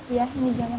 iya ini jangan pak